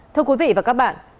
thưa quý vị và các bạn